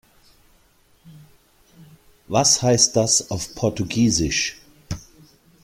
Was heißt das auf Portugiesisch?